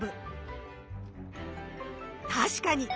確かに！